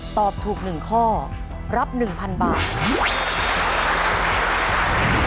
ตอบถูกหนึ่งข้อรับหนึ่งพันบาท